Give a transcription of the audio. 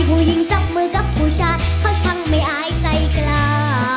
ผู้หญิงจับมือกับผู้ชายเขาช่างไม่อายใจกล้า